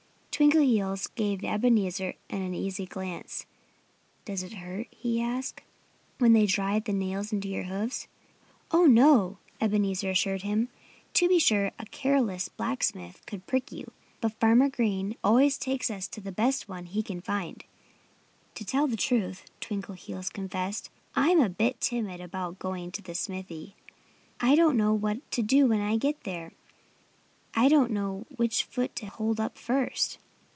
Twinkleheels gave Ebenezer an uneasy glance. "Does it hurt," he asked, "when they drive the nails into your hoofs?" "Oh, no!" Ebenezer assured him. "To be sure, a careless blacksmith could prick you. But Farmer Green always takes us to the best one he can find." "To tell the truth," Twinkleheels confessed, "I'm a bit timid about going to the smithy. I don't know what to do when I get there. I don't know which foot to hold up first."